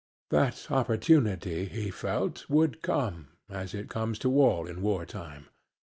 That opportunity, he felt, would come, as it comes to all in war time.